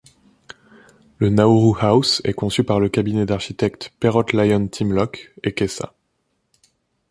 Le Nauru House est conçu par le cabinet d'architectes Perrott Lyon Timlock & Kesa.